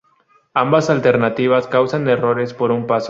Ambas alternativas causan errores por un paso.